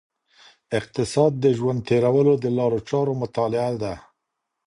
اقتصاد د ژوند تیرولو د لارو چارو مطالعه ده.